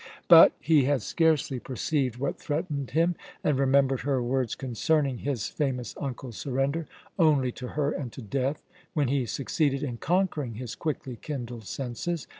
But he had scarcely perceived what threatened him, and remembered her words concerning his famous uncle's surrender only to her and to death, when he succeeded in conquering his quickly kindled senses.